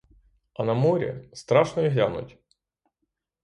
А на морі — страшно й глянуть!